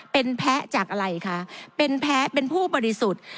เป็นแพ้จากอะไรคะเป็นแพ้เป็นผู้บริสุทธิ์